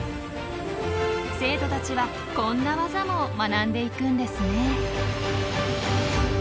生徒たちはこんなワザも学んでいくんですね。